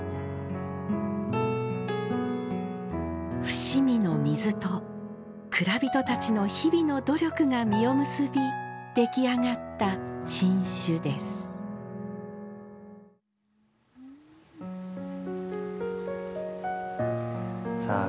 伏見の水と蔵人たちの日々の努力が実を結び出来上がった新酒ですさあ